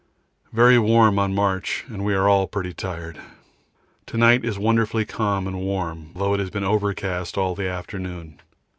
Very warm on march and we are all pretty tired. To night it is wonderfully calm and warm, though it has been overcast all the afternoon.